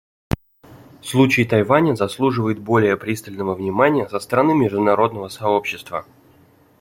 Случай Тайваня заслуживает более пристального внимания со стороны международного сообщества.